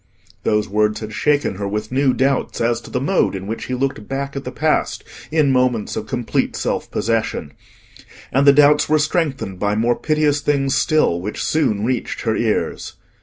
Those words had shaken her with new doubts as to the mode in which he looked back at the past in moments of complete self possession. And the doubts were strengthened by more piteous things still, which soon reached her ears.